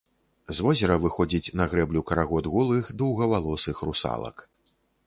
З возера выходзіць на грэблю карагод голых доўгавалосых русалак.